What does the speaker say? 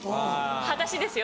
はだしですよ